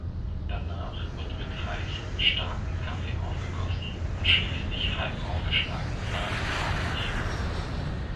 Danach wird mit heißem, starken Kaffee aufgegossen und schließlich halb aufgeschlagene Sahne darauf gegeben.